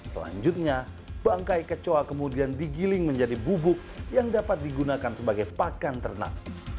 selanjutnya bangkai kecoa kemudian digiling menjadi bubuk yang dapat digunakan sebagai pakan ternak